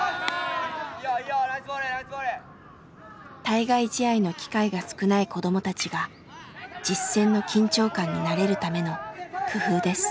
対外試合の機会が少ない子供たちが実戦の緊張感に慣れるための工夫です。